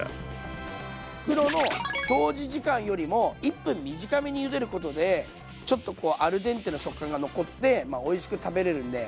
袋の表示時間よりも１分短めにゆでることでちょっとこうアルデンテの食感が残っておいしく食べれるんで。